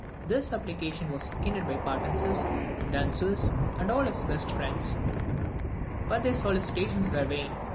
This application was seconded by Pratensis, Danzeus, and all his best friends; but their solicitations were vain.